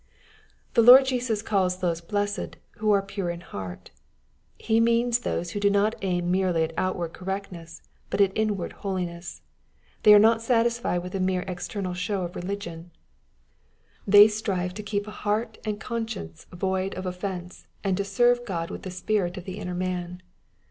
' The Lord Jesus calls those blessed, who are pttr« in heart. He means those who do not aim merely at out ward correctness, but at inward holiness. They are not satisfied with a mere external show of religion. They 2* 84 EXP08IT0BT THOUGHTS. strive to keep a heart and conscieDce void of oIFencei and to serve Gk)d with the spirit and the inner man.